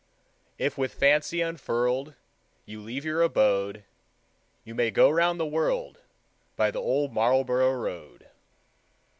If with fancy unfurled You leave your abode, You may go round the world By the Old Marlborough Road.